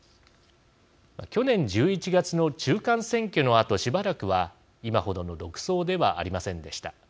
去年１１月の中間選挙のあとしばらくは今ほどの独走ではありませんでした。